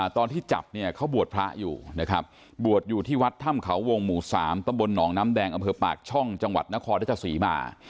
ตอนที่จับเนี่ยเขาบวชพระอยู่นะครับบวชอยู่ที่วัดถ้ำเขาวงหมู่๓ตำบลหนองน้ำแดงอำเภอปากช่องจังหวัดนครรัชศรีมา